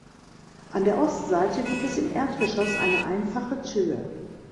An der Ostseite gibt es im Erdgeschoss eine einfache Tür.